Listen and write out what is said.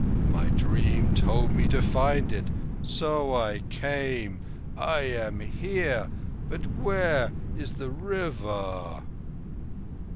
My dream told me to find it. So I came. I am here. But where is the River?"